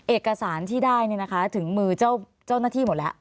เอกสารที่ได้ถึงมือเจ้าหน้าที่หมดแล้ว